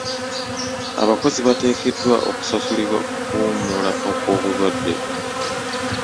Abakozi bateekeddwa okusasulibwa ku kuwummula okw'obulwadde.